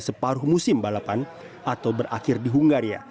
separuh musim balapan atau berakhir di hungaria